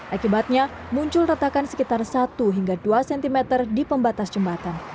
akibatnya muncul retakan sekitar satu hingga dua cm di pembatas jembatan